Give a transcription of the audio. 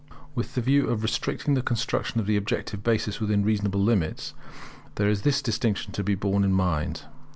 With the view of restricting the construction of the objective basis within reasonable limits, there is this distinction to be borne in mind.